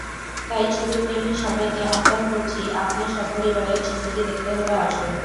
তাই ছবিপ্রেমী সবাইকে আহ্বান করছি, আপনারা সপরিবারে ছবিটি দেখতে হলে আসুন।